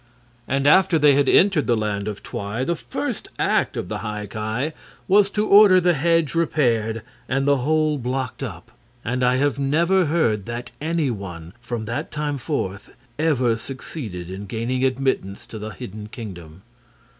And after they had entered the Land of Twi, the first act of the High Ki was to order the hedge repaired and the hole blocked up; and I have never heard that any one, from that time forth, ever succeeded in gaining admittance to the hidden kingdom.